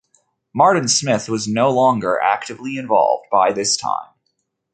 Martin Smith was no longer actively involved by this time.